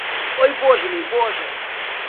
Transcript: Ой, боже ж мій, боже!